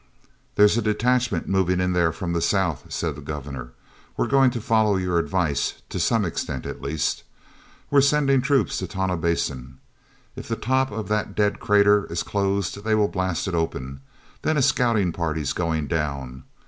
"There's a detachment moving in there from the south," said the Governor. "We're going to follow your advice, to some extent at least. We're sending troops to Tonah Basin. If the top of that dead crater is closed they will blast it open; then a scouting party's going down.